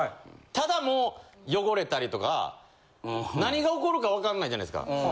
ただもう汚れたりとか何が起こるかわかんないじゃないですか。